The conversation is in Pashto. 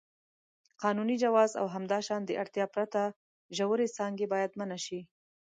قانوني جواز او همداشان د اړتیا پرته ژورې څاګانې باید منع شي.